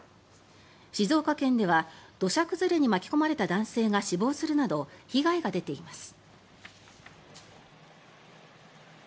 静岡県では土砂崩れに巻き込まれた男性が死亡するなど被害が出ています。